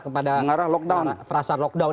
kepada lockdown frasa lockdown